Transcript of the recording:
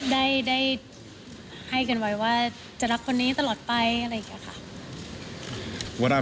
ได้ให้กันไว้ว่าจะรักคนนี้ตลอดไปอะไรอย่างนี้ค่ะ